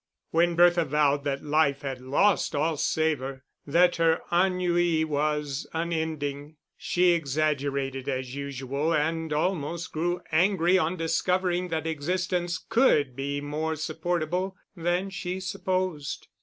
When Bertha vowed that life had lost all savour, that her ennui was unending, she exaggerated as usual, and almost grew angry on discovering that existence could be more supportable than she supposed.